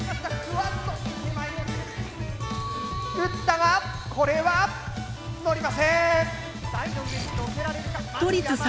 撃ったがこれはのりません。